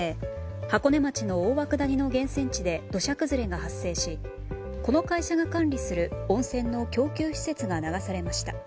箱根町の大涌谷の源泉地で土砂崩れが発生しこの会社が管理する温泉の供給施設が流されました。